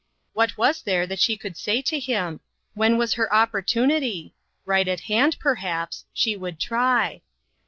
What was there that she could say to him? When was her opportunity? Right at hand, perhaps ; she would try.